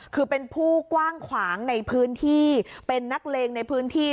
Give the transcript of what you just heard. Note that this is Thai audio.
คือเป็นผู้กว้างขวางในพื้นที่เป็นนักเลงในพื้นที่